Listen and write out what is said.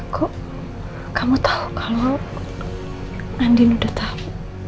kok kamu tau kalo andin udah tau